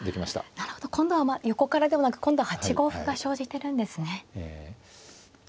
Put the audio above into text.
なるほど今度は横からではなく今度８五歩が生じてるんですね。